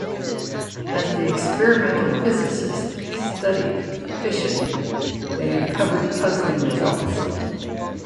As the experimental physicists studied fission, they uncovered puzzling results.